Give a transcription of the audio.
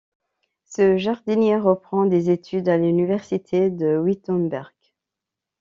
Ce jardinier reprend des études à l’université de Wittenberg.